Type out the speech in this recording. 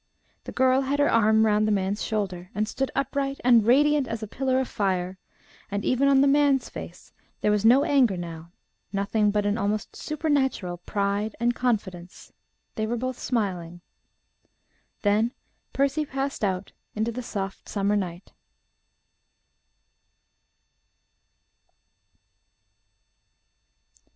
The girl had her arm round the man's shoulder, and stood upright and radiant as a pillar of fire; and even on the man's face there was no anger now nothing but an almost supernatural pride and confidence. They were both smiling. Then Percy passed out into the soft, summer night.